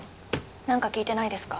何か聞いてないですか？